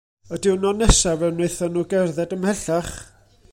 Y diwrnod nesaf fe wnaethon nhw gerdded ymhellach.